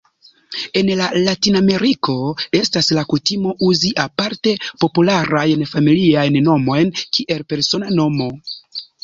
En Latinameriko estas la kutimo uzi aparte popularajn familiajn nomojn kiel persona nomo.